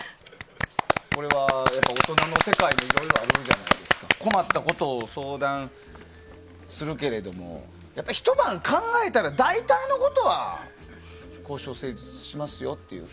これは大人の世界もいろいろあるので困ったことを相談するけれどもやっぱ、ひと晩考えたら大体のことは交渉成立しますよという。